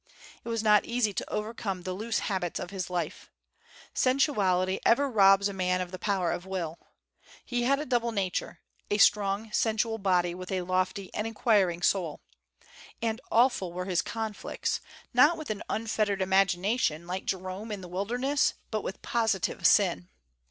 It was not easy to overcome the loose habits of his life. Sensuality ever robs a man of the power of will. He had a double nature, a strong sensual body, with a lofty and inquiring soul. And awful were his conflicts, not with an unfettered imagination, like Jerome in the wilderness, but with positive sin.